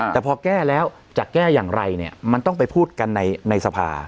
แต่พอแก้แล้วจะแก้อย่างไรเนี่ยมันต้องไปพูดกันในสภา